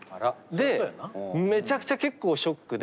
でめちゃくちゃ結構ショックで。